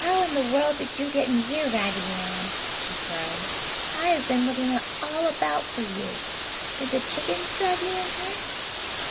"How in the world did you get in here, Raggedy Ann?" she cried. "I have been looking all about for you! Did the chickens drag you in here?"